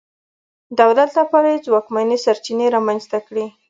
دولت لپاره یې ځواکمنې سرچینې رامنځته کړې.